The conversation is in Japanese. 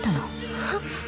はっ？